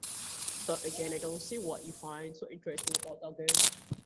"That again? I don't see what you find so interesting about that game